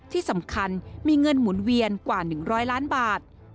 ที่สำคัญมีเงินหมุนเวียนกว่า๑๐๐ล้านบาท